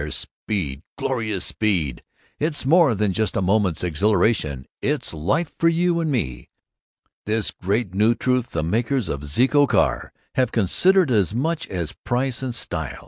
Speed glorious Speed it's more than just a moment's exhilaration it's Life for you and me! This great new truth the makers of the Zeeco Car have considered as much as price and style.